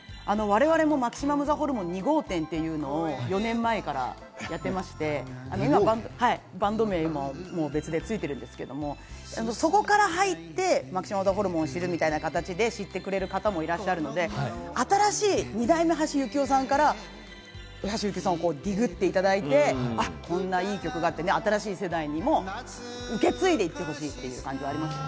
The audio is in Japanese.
我々もマキシマムザホルモン２号店というのを４年前からやってまして、今、バンド名は別でついてるんですけど、そこから入ってマキシマムザホルモンを知るみたいな形で知ってくれる方もいるので、新しい２代目・橋幸夫さんから橋幸夫さんをディグっていただいて、こんないい曲があって、新しい世代にも受け継いでいってほしいという思いがありますね。